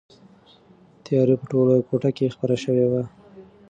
تیاره په ټوله کوټه کې خپره شوې وه.